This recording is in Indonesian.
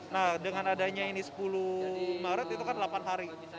nah dengan adanya ini sepuluh maret itu kan delapan hari